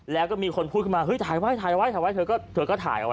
แล้วก็มีคนพูดขึ้นมาถ่ายไว้เธอก็ถ่ายเอาไว้